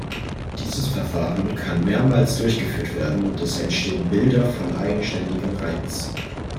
Dieses Verfahren kann mehrmals durchgeführt werden und es entstehen Bilder von eigenständigem Reiz.